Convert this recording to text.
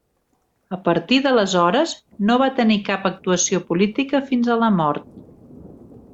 A partir d’aleshores, no va tenir cap actuació política fins a la mort.